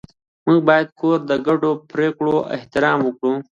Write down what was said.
موږ باید د کورنۍ د ګډو پریکړو احترام وکړو